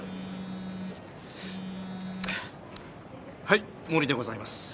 はい毛利でございます。